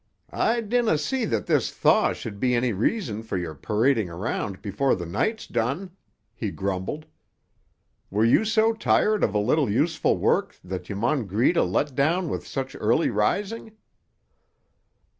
"I dinna see that this thaw should be any reason for your parading around before the night's done," he grumbled. "Were you so tired of a little useful work that ye maun greet a let down with such early rising?"